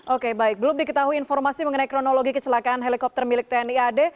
oke baik belum diketahui informasi mengenai kronologi kecelakaan helikopter milik tni ad